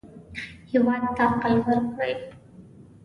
هېواد ته عقل ورکړئ